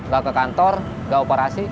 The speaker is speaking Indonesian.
gak ke kantor nggak operasi